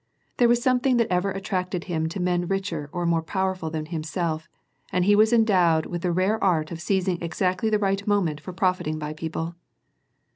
There was some thing that ever attracted him to men richer or more }»«>werful than himself, and he was endowed with the rare art of seiziug exactly the right moment for profiting by people.